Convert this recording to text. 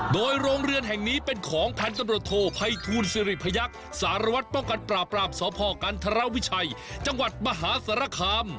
โดยโรงเรือนแห่งนี้เป็นของพันธุ์ตำรวจโทภัยทูลสิริพยักษ์สารวัตรป้องกันปราบปรามสพกันธรวิชัยจังหวัดมหาสารคาม